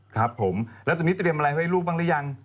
ครับผมแล้วตอนนี้เตรียมอะไรให้ลูกบ้างหรือยัง